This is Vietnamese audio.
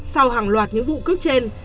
sau hàng loạt những vụ cướp trên